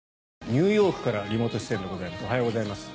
「ニューヨークからリモート出演でございます」